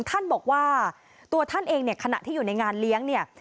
ท่านบอกว่าตัวท่านเองเนี่ยขณะที่อยู่ในงานเลี้ยงเนี่ย